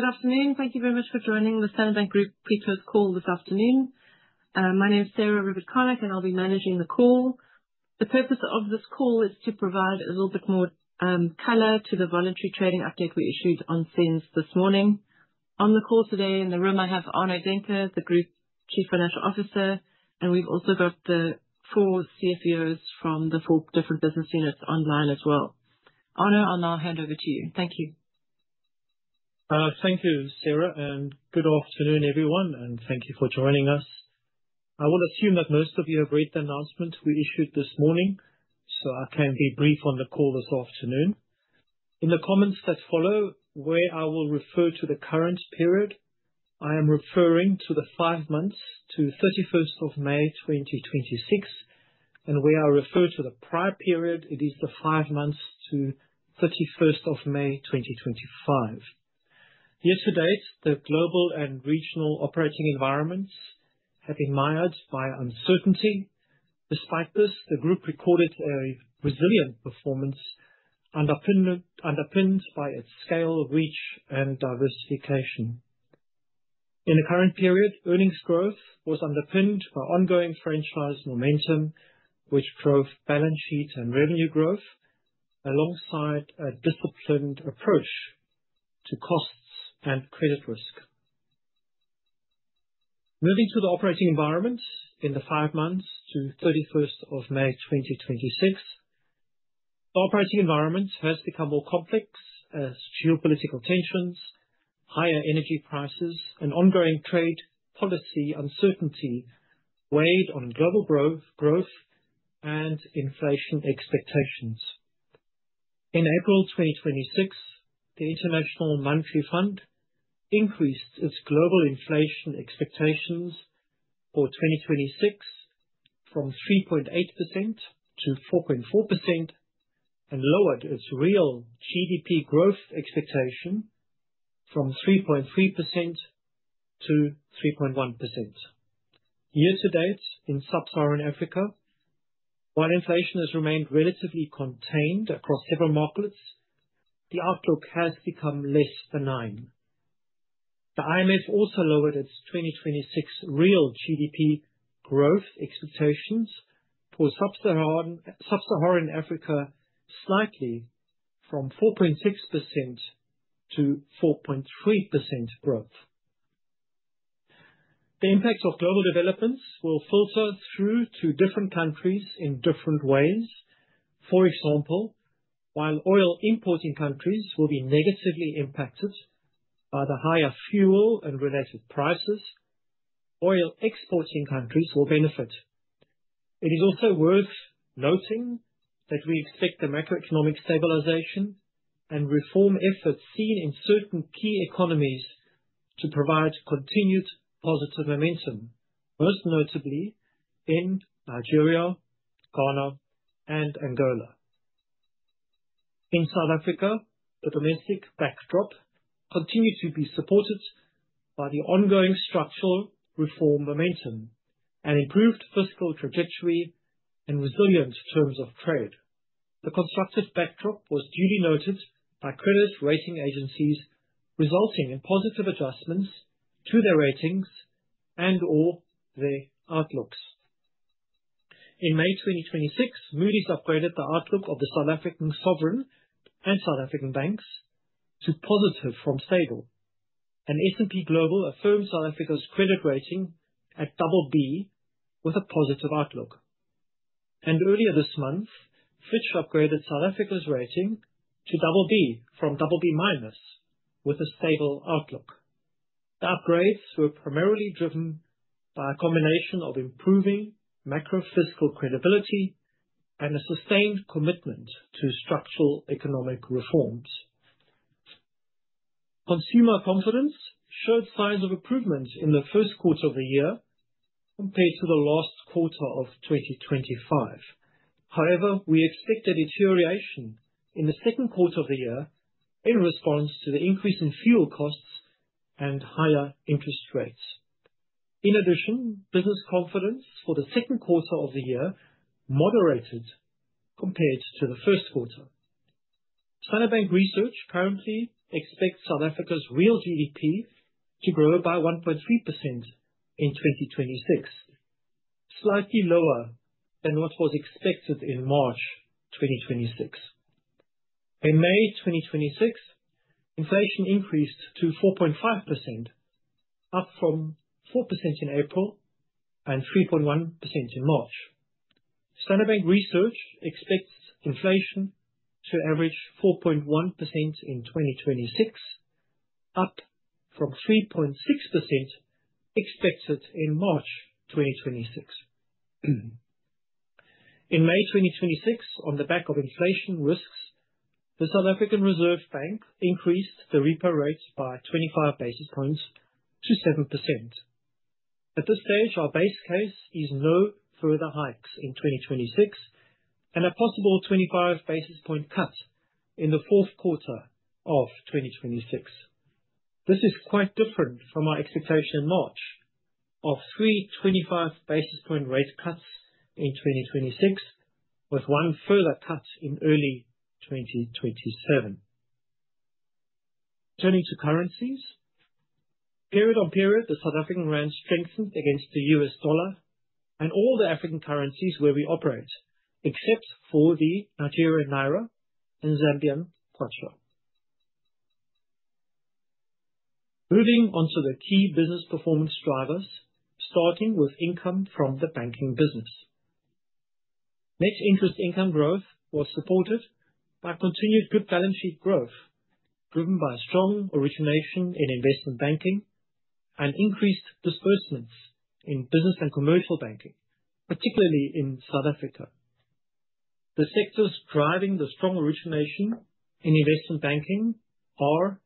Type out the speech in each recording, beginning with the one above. Good afternoon. Thank you very much for joining the Standard Bank Group results call this afternoon. My name is Sarah Rivett-Carnac, and I'll be managing the call. The purpose of this call is to provide a little bit more color to the voluntary trading update we issued on SENS this morning. On the call today in the room I have Arno Daehnke, the Group Chief Financial Officer, and we've also got the four CFOs from the four different business units online as well. Arno, I'll now hand over to you. Thank you. Thank you, Sarah. Good afternoon, everyone, and thank you for joining us. I will assume that most of you have read the announcement we issued this morning. I can be brief on the call this afternoon. In the comments that follow, where I will refer to the current period, I am referring to the five months to May 31st, 2026, and where I refer to the prior period, it is the five months to May 31st, 2025. Year to date, the global and regional operating environments have been mired by uncertainty. Despite this, the group recorded a resilient performance underpinned by its scale, reach, and diversification. In the current period, earnings growth was underpinned by ongoing franchise momentum, which drove balance sheet and revenue growth alongside a disciplined approach to costs and credit risk. Moving to the operating environment in the five months to May 31st, 2026. Operating environment has become more complex as geopolitical tensions, higher energy prices, and ongoing trade policy uncertainty weighed on global growth and inflation expectations. In April 2026, the International Monetary Fund increased its global inflation expectations for 2026 from 3.8% to 4.4% and lowered its real GDP growth expectation from 3.3% to 3.1%. Year-to-date in sub-Saharan Africa, while inflation has remained relatively contained across several markets, the outlook has become less benign. The IMF also lowered its 2026 real GDP growth expectations for sub-Saharan Africa slightly from 4.6% to 4.3% growth. The impacts of global developments will filter through to different countries in different ways. For example, while oil importing countries will be negatively impacted by the higher fuel and related prices, oil exporting countries will benefit. It is also worth noting that we expect the macroeconomic stabilization and reform efforts seen in certain key economies to provide continued positive momentum, most notably in Nigeria, Ghana, and Angola. In South Africa, the domestic backdrop continued to be supported by the ongoing structural reform momentum, an improved fiscal trajectory, and resilience in terms of trade. The constructive backdrop was duly noted by credit rating agencies, resulting in positive adjustments to their ratings and or their outlooks. In May 2026, Moody's upgraded the outlook of the South African sovereign and South African banks to positive from stable. S&P Global affirmed South Africa's credit rating at BB with a positive outlook. Earlier this month, Fitch upgraded South Africa's rating to BB from BB- with a stable outlook. The upgrades were primarily driven by a combination of improving macro-fiscal credibility and a sustained commitment to structural economic reforms. Consumer confidence showed signs of improvement in the Q1 of the year compared to the last quarter of 2025. However, we expect a deterioration in the Q2 of the year in response to the increase in fuel costs and higher interest rates. In addition, business confidence for the Q2 of the year moderated compared to the Q1. Standard Bank Research currently expects South Africa's real GDP to grow by 1.3% in 2026, slightly lower than what was expected in March 2026. In May 2026, inflation increased to 4.5%, up from 4% in April and 3.1% in March. Standard Bank Research expects inflation to average 4.1% in 2026, up from 3.6% expected in March 2026. In May 2026, on the back of inflation risks, the South African Reserve Bank increased the repo rate by 25 basis points to 7%. At this stage, our base case is no further hikes in 2026 and a possible 25 basis point cut in the Q4 of 2026. This is quite different from our expectation in March. Of three 25-basis-point rate cuts in 2026, with one further cut in early 2027. Turning to currencies. Period on period, the South African rand strengthened against the US dollar and all the African currencies where we operate, except for the Nigerian naira and Zambian kwacha. Moving on to the key business performance drivers, starting with income from the banking business. Net interest income growth was supported by continued good balance sheet growth, driven by strong origination in investment banking and increased disbursements in business and commercial banking, particularly in South Africa. The sectors driving the strong origination in investment banking are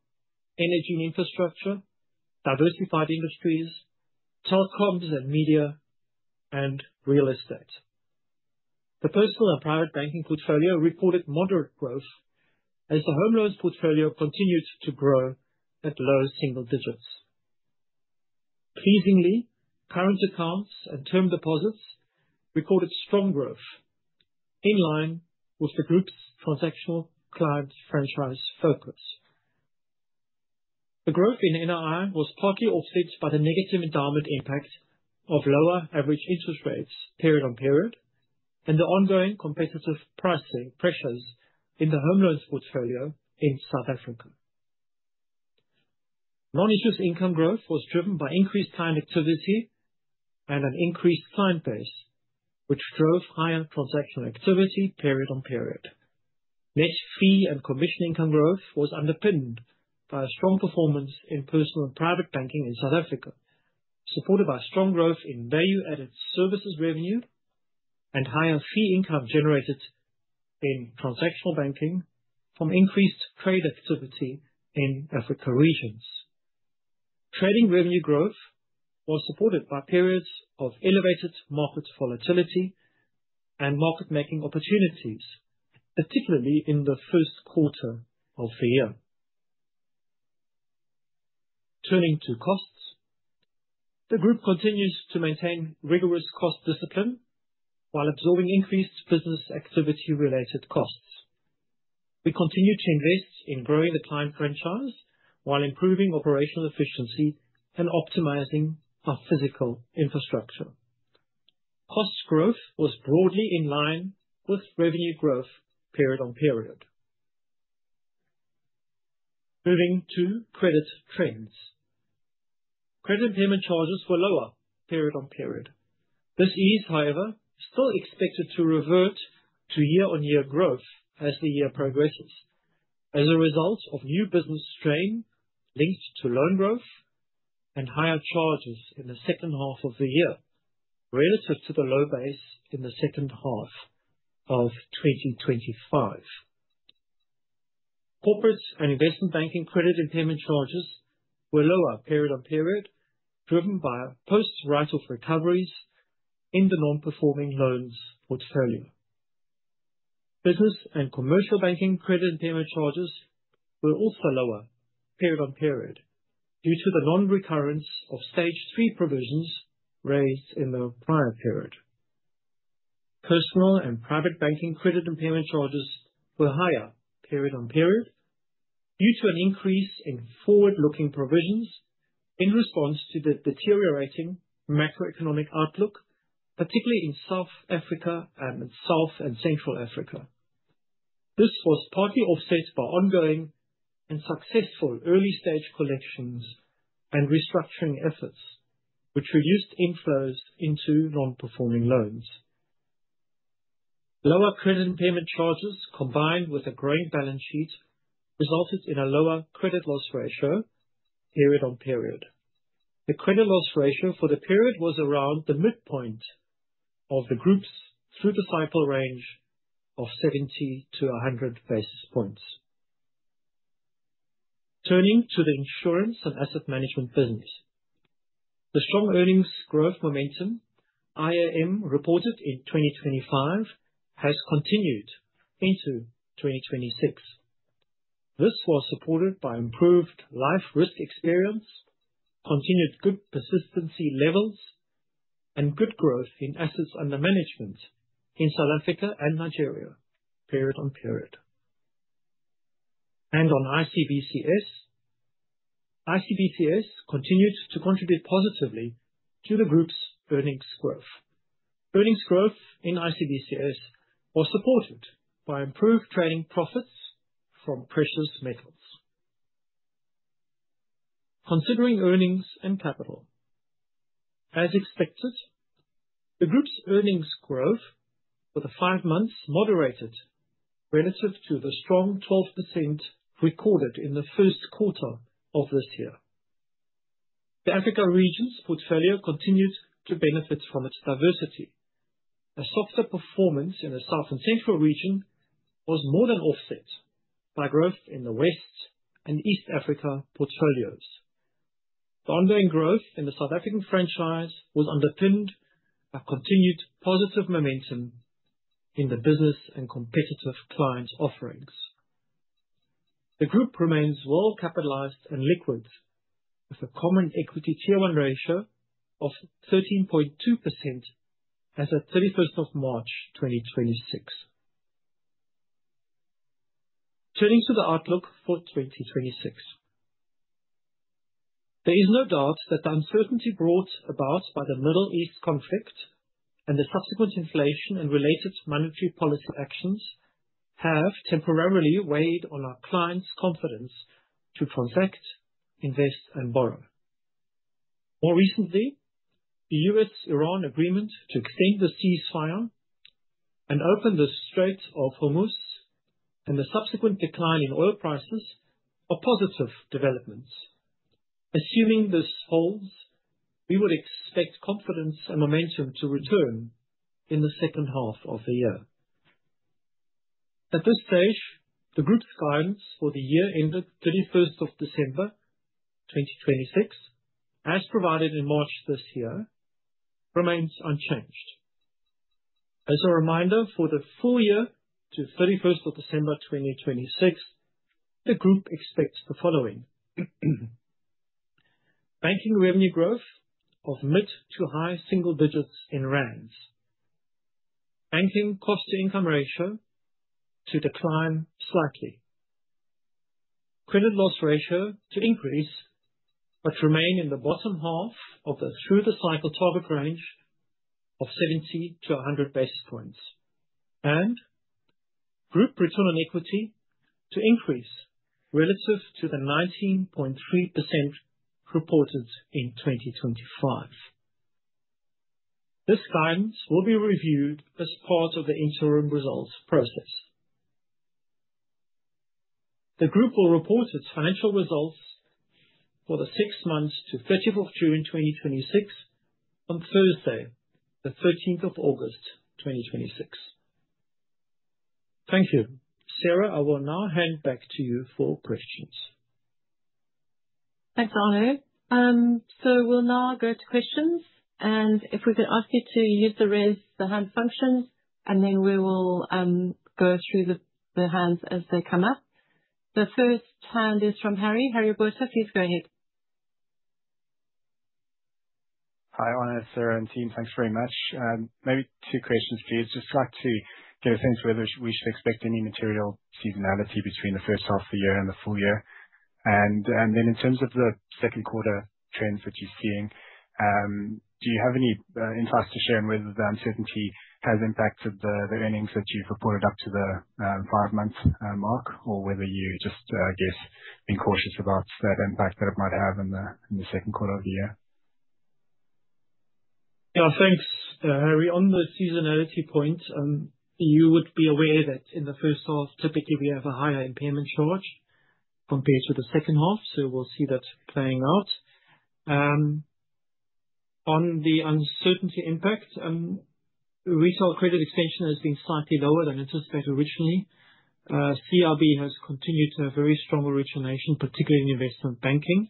energy and infrastructure, diversified industries, telecoms and media, and real estate. The personal and private banking portfolio reported moderate growth as the home loans portfolio continues to grow at low single digits. Pleasingly, current accounts and term deposits reported strong growth in line with the group's transactional client franchise focus. The growth in NII was partly offset by the negative endowment impact of lower average interest rates period on period, and the ongoing competitive pricing pressures in the home loans portfolio in South Africa. Non-interest income growth was driven by increased client activity and an increased client base, which drove higher transactional activity period on period. Net fee and commission income growth was underpinned by a strong performance in personal and private banking in South Africa, supported by strong growth in value-added services revenue and higher fee income generated in transactional banking from increased trade activity in Africa regions. Trading revenue growth was supported by periods of elevated market volatility and market-making opportunities, particularly in the Q1 of the year. Turning to costs. The group continues to maintain rigorous cost discipline while absorbing increased business activity related costs. We continue to invest in growing the client franchise while improving operational efficiency and optimizing our physical infrastructure. Costs growth was broadly in line with revenue growth period on period. Moving to credit trends. Credit impairment charges were lower period on period. This is, however, still expected to revert to year-on-year growth as the year progresses as a result of new business strain linked to loan growth and higher charges in the second half of the year relative to the low base in the second half of 2025. Corporate and investment banking credit impairment charges were lower period on period, driven by post-write-off recoveries in the non-performing loans portfolio. Business and commercial banking credit impairment charges were also lower period on period due to the non-recurrence of stage 3 provisions raised in the prior period. Personal and private banking credit impairment charges were higher period on period due to an increase in forward-looking provisions in response to the deteriorating macroeconomic outlook, particularly in South Africa and South and Central Africa. This was partly offset by ongoing and successful early-stage collections and restructuring efforts, which reduced inflows into non-performing loans. Lower credit impairment charges combined with a growing balance sheet resulted in a lower credit loss ratio period on period. The credit loss ratio for the period was around the midpoint of the group's through-the-cycle range of 70-100 basis points. Turning to the insurance and asset management business. The strong earnings growth momentum I&AM reported in 2025 has continued into 2026. This was supported by improved life risk experience, continued good persistency levels, and good growth in assets under management in South Africa and Nigeria period on period. On ICBCS. ICBCS continued to contribute positively to the group's earnings growth. Earnings growth in ICBCS was supported by improved trading profits from precious metals. Considering earnings and capital. As expected, the group's earnings growth for the five months moderated relative to the strong 12% recorded in the Q1 of this year. The Africa regions portfolio continued to benefit from its diversity. A softer performance in the South and Central region was more than offset by growth in the West and East Africa portfolios. The ongoing growth in the South African franchise was underpinned by continued positive momentum in the business and competitive client offerings. The group remains well capitalized and liquid, with a common equity Tier 1 ratio of 13.2% as of March 31st, 2026. Turning to the outlook for 2026. There is no doubt that the uncertainty brought about by the Middle East conflict and the subsequent inflation and related monetary policy actions have temporarily weighed on our clients' confidence to transact, invest, and borrow. More recently, the US-Iran agreement to extend the ceasefire and open the Strait of Hormuz, and the subsequent decline in oil prices are positive developments. Assuming this holds, we would expect confidence and momentum to return in the second half of the year. At this stage, the group's guidance for the year ended December 31st, 2026, as provided in March this year, remains unchanged. As a reminder, for the full year to December 31st, 2026, the group expects the following. Banking revenue growth of mid to high single digits in ZAR. Banking cost to income ratio to decline slightly. Credit loss ratio to increase, but remain in the bottom half of the through the cycle target range of 70 to 100 basis points. Group return on equity to increase relative to the 19.3% reported in 2025. This guidance will be reviewed as part of the interim results process. The group will report its financial results for the six months to June 30th, 2026 on Thursday August 13th, 2026. Thank you. Sarah, I will now hand back to you for questions. Thanks, Arno. We'll now go to questions, and if we can ask you to use the raise the hand function, and then we will go through the hands as they come up. The first hand is from Harry. Harry Botha, please go ahead. Hi, Arno, Sarah, and team. Thanks very much. Maybe two questions for you. Just like to get a sense whether we should expect any material seasonality between the first half of the year and the full year. In terms of the Q2 trends that you're seeing, do you have any insights to share on whether the uncertainty has impacted the earnings that you've reported up to the five months mark? Or whether you just, I guess, been cautious about the impact that it might have in the Q2 of the year. Thanks, Harry. On the seasonality point, you would be aware that in the first half, typically, we have a higher impairment charge compared to the second half. We'll see that playing out. On the uncertainty impact, retail credit extension has been slightly lower than anticipated originally. CIB has continued to have very strong origination, particularly in investment banking.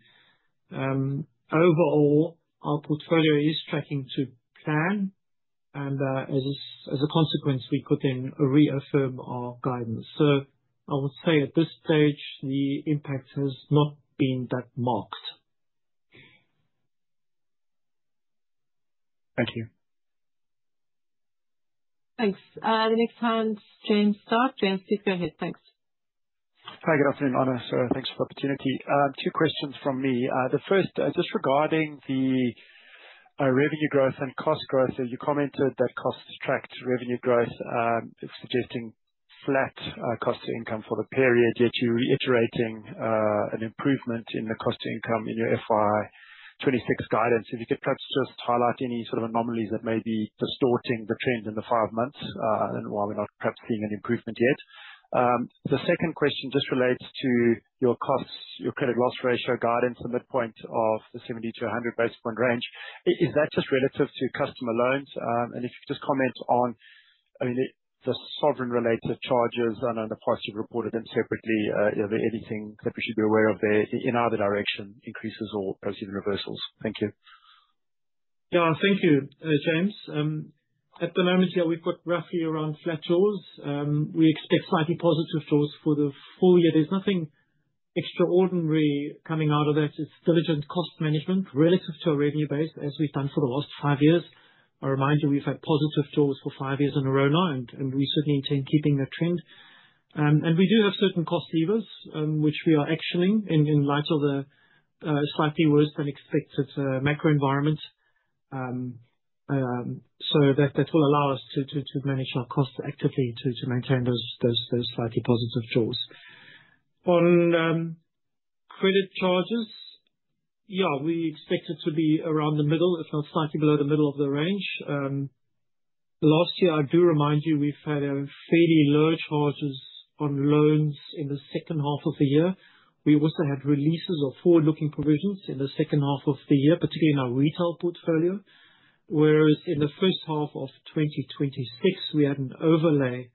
Overall, our portfolio is tracking to plan, as a consequence, we could then reaffirm our guidance. I would say at this stage, the impact has not been that marked. Thank you. Thanks. The next hand, James Starke. James, please go ahead. Thanks. Hi. Good afternoon, Arno. Thanks for the opportunity. Two questions from me. The first is just regarding the revenue growth and cost growth. You commented that costs tracked revenue growth. It's suggesting flat cost to income ratio for the period, yet you're reiterating an improvement in the cost to income ratio in your FY 2026 guidance. If you could perhaps just highlight any sort of anomalies that may be distorting the trend in the five months, and why we're not perhaps seeing an improvement yet. The second question just relates to your costs, your credit loss ratio guidance, the midpoint of the 70 to 100 basis point range. Is that just relative to customer loans? If you could just comment on the sovereign related charges. I know in the past you've reported them separately. Is there anything that we should be aware of there in either direction, increases or provision reversals? Thank you. Thank you, James. At the moment, we've got roughly around flat jaws. We expect slightly positive jaws for the full year. There's nothing extraordinary coming out of that. It's diligent cost management relative to our revenue base as we've done for the last five years. A reminder, we've had positive jaws for five years in a row now, and we certainly intend keeping that trend. We do have certain cost levers, which we are actioning in light of the slightly worse than expected macro environment. That will allow us to manage our costs actively to maintain those slightly positive jaws. On credit charges, we expect it to be around the middle, if not slightly below the middle of the range. Last year, I do remind you, we've had fairly low charges on loans in the second half of the year. We also had releases of forward-looking provisions in the second half of the year, particularly in our retail portfolio. Whereas in the first half of 2026, we had an overlay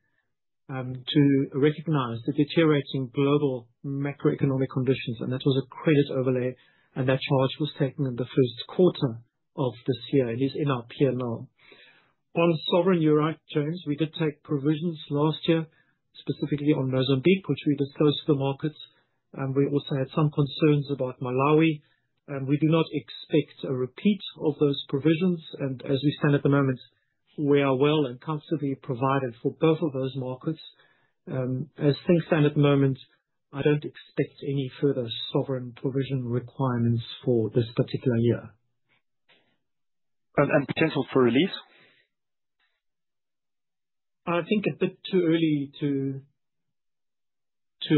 to recognize the deteriorating global macroeconomic conditions, that was a credit overlay, and that charge was taken in the Q1 of this year. It is in our P&L. On sovereign, you're right, James. We did take provisions last year, specifically on Mozambique, which we disclosed to the market. We also had some concerns about Malawi. We do not expect a repeat of those provisions. As we stand at the moment, we are well and comfortably provided for both of those markets. As things stand at the moment, I don't expect any further sovereign provision requirements for this particular year. Potential for release? I think a bit too early to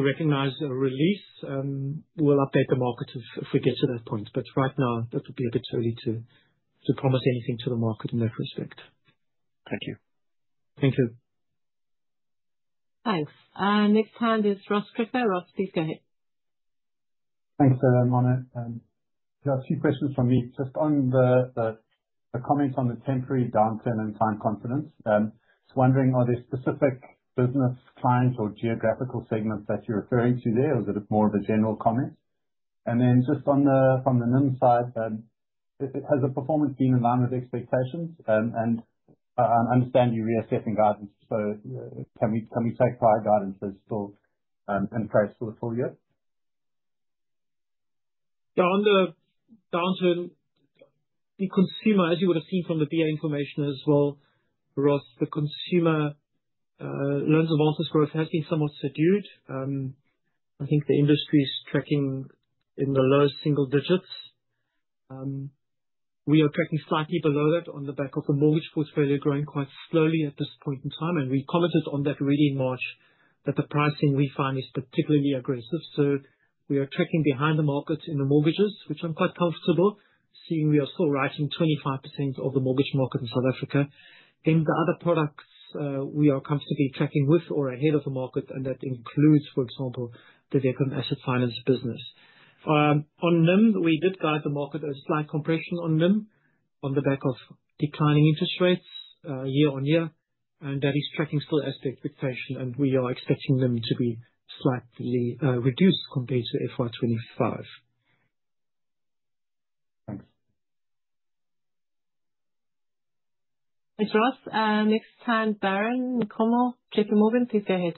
recognize a release. We'll update the market if we get to that point. Right now, that would be a bit early to promise anything to the market in that respect. Thank you. Thank you. Thanks. Next hand is Ross Krige. Ross, please go ahead. Thanks, Arno. Just a few questions from me. Just on the comments on the temporary downturn in client confidence. Just wondering, are there specific business clients or geographical segments that you're referring to there? Or is it more of a general comment? Then just from the NIM side, has the performance been in line with expectations? I understand you're reassessing guidance, so can we take prior guidance as still in place for the full year? On the downturn, the consumer, as you would have seen from the BA information as well, Ross, the consumer loans advances growth has been somewhat subdued. I think the industry is tracking in the low single digits. We are tracking slightly below that on the back of the mortgage portfolio growing quite slowly at this point in time. We commented on that already in March, that the pricing we find is particularly aggressive. We are tracking behind the market in the mortgages, which I'm quite comfortable seeing we are still writing 25% of the mortgage market in South Africa. The other products, we are comfortably tracking with or ahead of the market, and that includes, for example, the vehicle asset finance business. On NIM, we did guide the market a slight compression on NIM on the back of declining interest rates year-on-year, that is tracking still as to expectation, we are expecting NIM to be slightly reduced compared to FY 2025. Thanks. Thanks, Ross. Next hand, Baron Nkomo, JPMorgan. Please go ahead.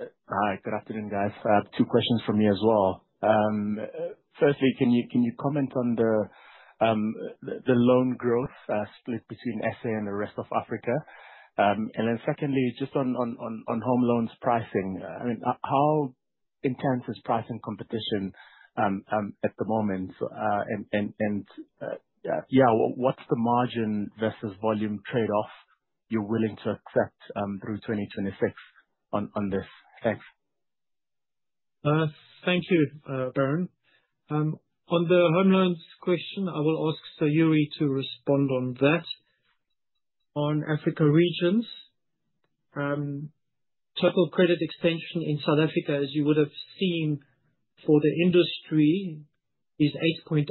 Hi. Good afternoon, guys. Two questions from me as well. Firstly, can you comment on the loan growth split between SA and the rest of Africa? Secondly, just on home loans pricing, how intense is pricing competition at the moment? What's the margin versus volume trade-off you're willing to accept through 2026 on this? Thanks. Thank you, Baron. On the home loans question, I will ask Sayuri to respond on that. On Africa regions, total credit extension in South Africa, as you would have seen for the industry, is 8.8%,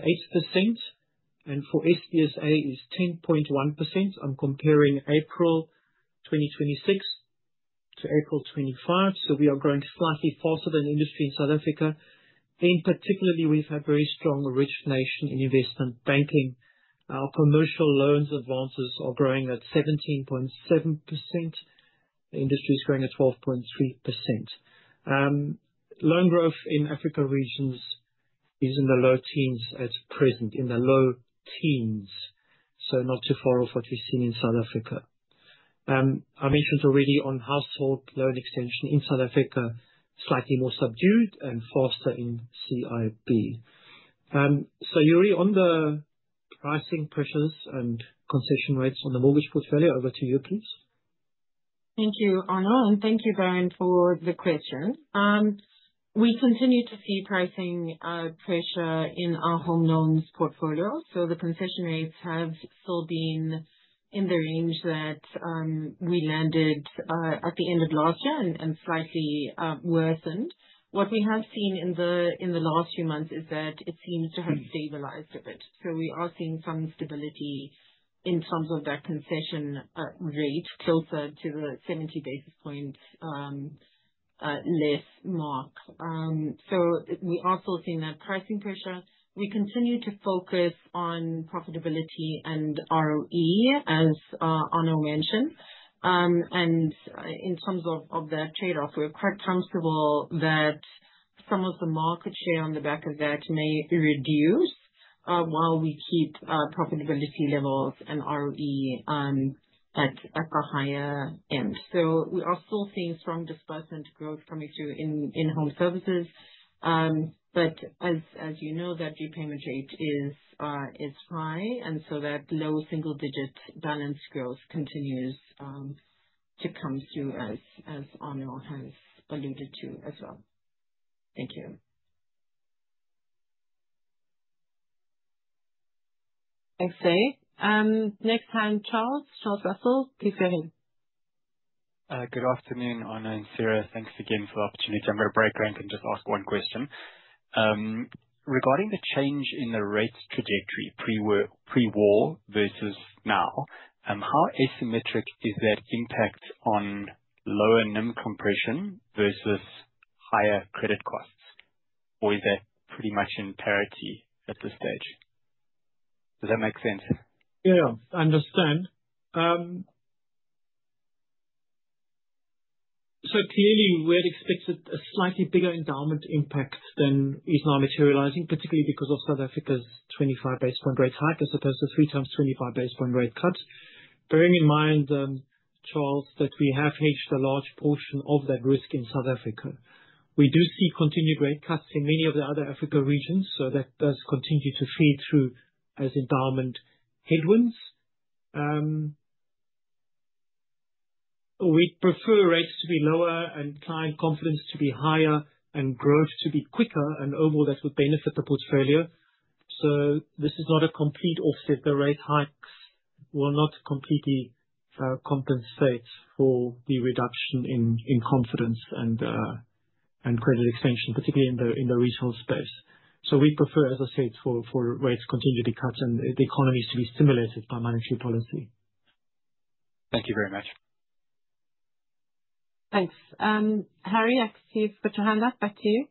and for FBSA is 10.1%. I'm comparing April 2026 to April 2025. We are growing slightly faster than industry in South Africa. In particular, we've had very strong origination in investment banking. Our commercial loans advances are growing at 17.7%. The industry is growing at 12.3%. Loan growth in Africa regions is in the low teens at present. In the low teens. Not too far off what we've seen in South Africa. I mentioned already on household loan extension in South Africa, slightly more subdued and faster in CIB. Sayuri, on the pricing pressures and concession rates on the mortgage portfolio, over to you, please. Thank you, Arno. Thank you, Baron, for the question. We continue to see pricing pressure in our home loans portfolio. The concession rates have still been in the range that we landed at the end of last year and slightly worsened. What we have seen in the last few months is that it seems to have stabilized a bit. We are seeing some stability in terms of that concession rate closer to the 70 basis points less mark. We are still seeing that pricing pressure. We continue to focus on profitability and ROE, as Arno mentioned. In terms of the trade-off, we are quite comfortable that some of the market share on the back of that may reduce while we keep profitability levels and ROE at the higher end. We are still seeing strong disbursement growth coming through in home loans. As you know, that repayment rate is high, that low single-digit balance growth continues to come through, as Arno has alluded to as well. Thank you. Thanks, Sayuri. Next hand, Charles. Charles Russell, please go ahead. Good afternoon, Arno and Sarah. Thanks again for the opportunity. I'm very brief. I can just ask one question. Regarding the change in the rates trajectory pre-war versus now, how asymmetric is that impact on lower NIM compression versus higher credit costs? Is that pretty much in parity at this stage? Does that make sense? Yeah. I understand. Clearly, we had expected a slightly bigger endowment impact than is now materializing, particularly because of South Africa's 25 basis point rate hike, as opposed to three times 25 basis point rate cuts. Bearing in mind, Charles, that we have hedged a large portion of that risk in South Africa. We do see continued rate cuts in many of the other Africa regions, that does continue to feed through as endowment headwinds. We'd prefer rates to be lower and client confidence to be higher and growth to be quicker, and overall, that would benefit the portfolio. This is not a complete offset. The rate hikes will not completely compensate for the reduction in confidence and credit extension, particularly in the retail space. We'd prefer, as I said, for rates continue to be cut and the economy to be stimulated by monetary policy. Thank you very much. Thanks. Harry, I see you've got your hand up. Back to you.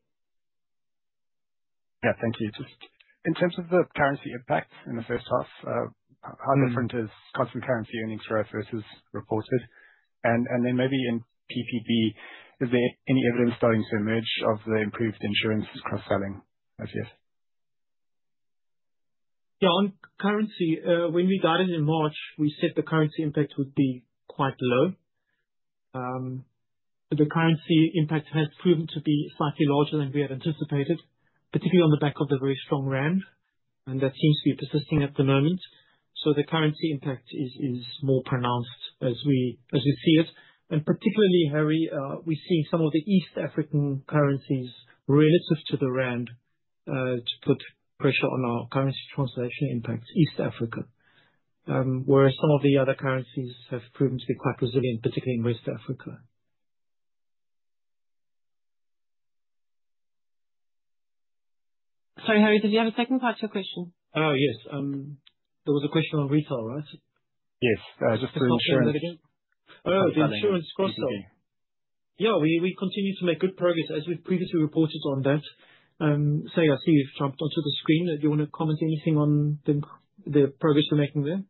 Yeah, thank you. Just in terms of the currency impact in the first half, how different is constant currency earnings growth versus reported? Then maybe in PPB, is there any evidence starting to emerge of the improved insurance cross-selling as yet? Yeah. On currency, when we guided in March, we said the currency impact would be quite low. The currency impact has proven to be slightly larger than we had anticipated, particularly on the back of the very strong rand. That seems to be persisting at the moment. The currency impact is more pronounced as we see it. Particularly, Harry, we're seeing some of the East African currencies relative to the rand, to put pressure on our currency translation impacts East Africa. Whereas some of the other currencies have proven to be quite resilient, particularly in West Africa. Sorry, Harry, did you have a second part to your question? Oh, yes. There was a question on retail, right? Yes. Just the insurance. The insurance cross-sell. Yeah. We continue to make good progress, as we've previously reported on that. Sayuri, I see you've jumped onto the screen. Do you wanna comment anything on the progress we're making there?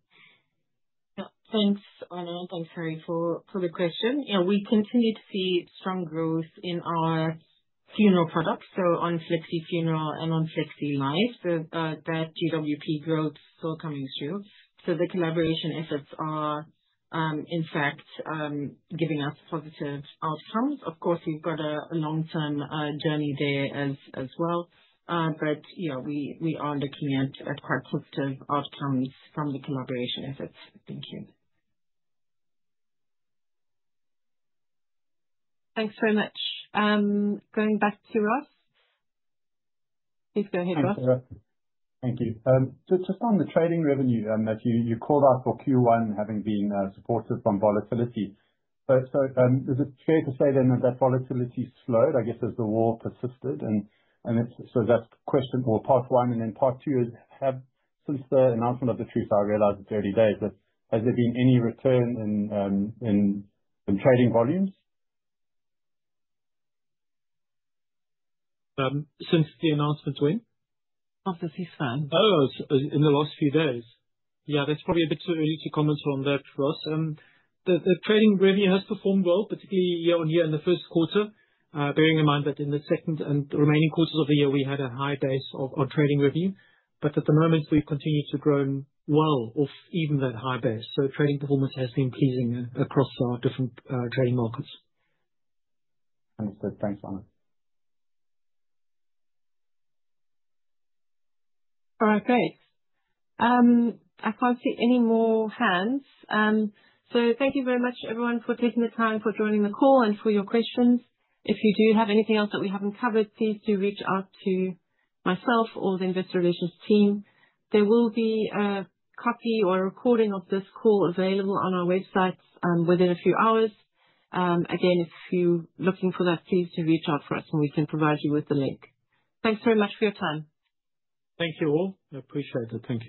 Yeah. Thanks, Arno. Thanks, Harry, for the question. Yeah, we continue to see strong growth in our funeral products, so on Flexi Funeral and on Flexi Life, that GWP growth still coming through. The collaboration efforts are in fact giving us positive outcomes. Of course, we've got a long-term journey there as well. Yeah, we are looking at quite positive outcomes from the collaboration efforts. Thank you. Thanks very much. Going back to Ross. Please go ahead, Ross. Thank you. Just on the trading revenue, you called out for Q1 having been supported from volatility. Is it fair to say then that that volatility slowed, I guess, as the war persisted? That's question or part 1, and then part 2 is, since the announcement of the truce, I realize it's early days, but has there been any return in trading volumes? Since the announcement when? Announcement this time. Oh, in the last few days. Yeah, that's probably a bit too early to comment on that, Ross. The trading revenue has performed well, particularly year-on-year in the Q1. Bearing in mind that in the second and remaining quarters of the year, we had a high base of our trading revenue. At the moment, we've continued to grow well off even that high base. Trading performance has been pleasing across our different trading markets. Understood. Thanks, Arno. All right. Great. I can't see any more hands. Thank you very much, everyone, for taking the time, for joining the call, and for your questions. If you do have anything else that we haven't covered, please do reach out to myself or the Investor Relations team. There will be a copy or a recording of this call available on our website within a few hours. Again, if you're looking for that, please do reach out for us and we can provide you with the link. Thanks very much for your time. Thank you all. I appreciate it. Thank you